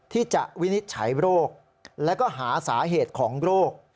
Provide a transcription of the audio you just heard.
ที่จะวินิจฉัยโรคและหาสาเหตุของโรค